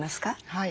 はい。